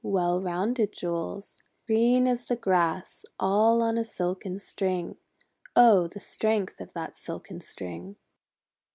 Well rounded jewels! Green as the grass ! All on a silken string. Oh! the strength of that silken string!"